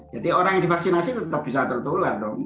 jadi orang yang divaksinasi tetap bisa tertular